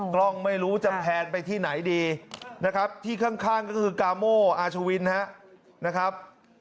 กล้องไม่รู้จะแพนไปที่ไหนดีนะครับที่ข้างก็คือกาโม่อาชวินนะครับ